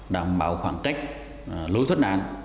đảm bảo khoảng cách lối thuất nạn